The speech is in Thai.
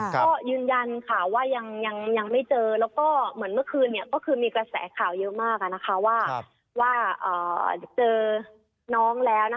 ก็ยืนยันค่ะว่ายังไม่เจอแล้วก็เหมือนเมื่อคืนก็คือมีกระแสข่าวเยอะมากว่าเจอน้องแล้ว